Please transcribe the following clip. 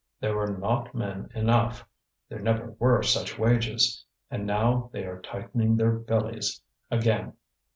There were not men enough; there never were such wages. And now they are tightening their bellies again.